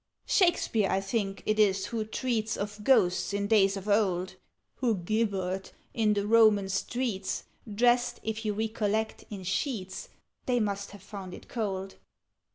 "Shakspeare I think it is who treats Of Ghosts, in days of old, Who 'gibbered in the Roman streets,' Dressed, if you recollect, in sheets They must have found it cold.